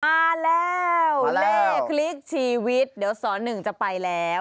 มาแล้วเลขคลิกชีวิตเดี๋ยวสหนึ่งจะไปแล้ว